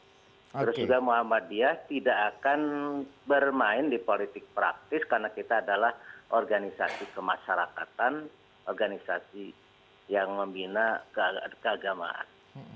terus juga muhammadiyah tidak akan bermain di politik praktis karena kita adalah organisasi kemasyarakatan organisasi yang membina keagamaan